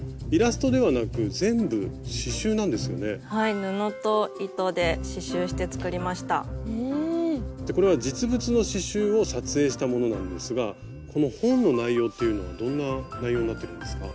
そしてこれは実物の刺しゅうを撮影したものなんですがこの本の内容っていうのはどんな内容になってるんですか？